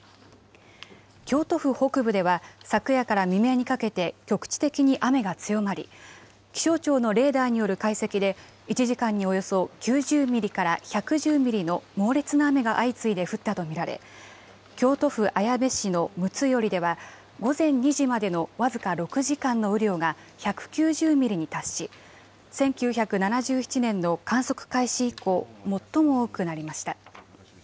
京都府北部では昨夜から未明にかけて局地的に雨が強まり気象庁のレーダーによる解析で１時間におよそ９０ミリから１１０ミリの猛烈な雨が相次いで降ったと見られ京都府綾部市の睦寄では午前２時までの僅か６時間の雨量が１９０ミリに達し、１９７７年の観測開始以降最も多くなりました。